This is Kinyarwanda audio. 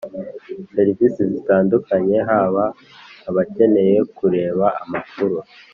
serivisi zitandukanye haba abakeneye kureba amakuru